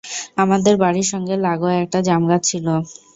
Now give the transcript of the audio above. আমাদের বাড়ির সঙ্গে লাগোয়া একটা জামগাছ ছিল।